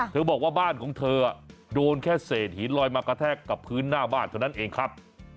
บอกว่าบ้านของเธอโดนแค่เศษหินลอยมากระแทกกับพื้นหน้าบ้านเท่านั้นเองครับ